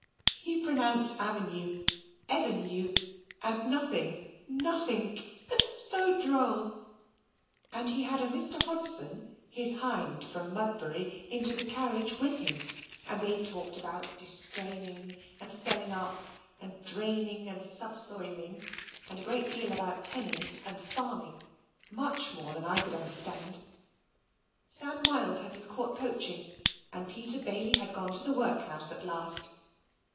He pronounced avenue EVENUE, and nothing NOTHINK, so droll; and he had a Mr. Hodson, his hind from Mudbury, into the carriage with him, and they talked about distraining, and selling up, and draining and subsoiling, and a great deal about tenants and farming much more than I could understand. Sam Miles had been caught poaching, and Peter Bailey had gone to the workhouse at last.